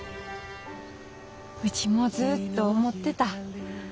うちもずっと思ってた。